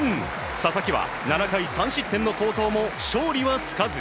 佐々木は７回３失点の好投も勝利はつかず。